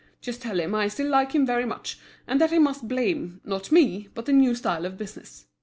Just tell him I still like him very much, and that he must blame, not me, but the new style of business.